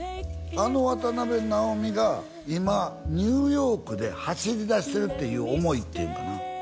あの渡辺直美が今ニューヨークで走りだしてるっていう思いっていうんかな